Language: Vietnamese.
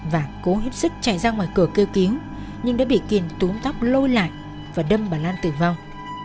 và cố hiếp sức chạy ra ngoài cửa kêu cứu nhưng đã bị kiên túm tóc lôi lại và đâm bà lan tử vong